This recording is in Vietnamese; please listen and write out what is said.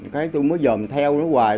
cái tôi mới dồn theo nó hoài